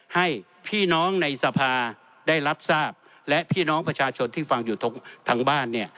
ให้พี่น้องในสภาได้รับทราบและพี่น้องประชาชนที่ฟังอยู่ทางบ้านเนี่ย